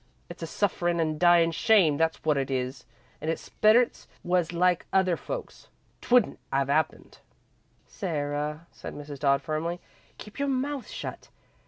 It's a sufferin' and dyin' shame, that's wot it is, and if sperrits was like other folks, 't wouldn't 'ave happened." "Sarah," said Mrs. Dodd, firmly, "keep your mouth shut.